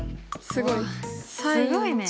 すごいね。